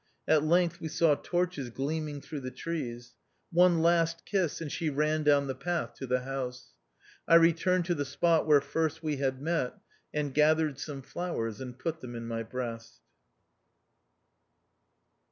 At length we saw torches gleaming through the trees. One last kiss, and she ran down the path to the house. I returned to the spot where first we had met, and gathered some flowers, and put them in my breast.